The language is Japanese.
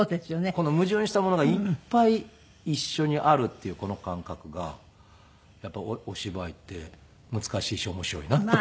この矛盾したものがいっぱい一緒にあるっていうこの感覚がやっぱりお芝居って難しいし面白いなという。